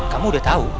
kamu udah tau